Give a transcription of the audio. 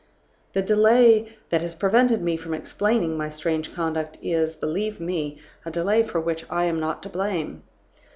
"The delay that has prevented me from explaining my strange conduct is, believe me, a delay for which I am not to blame.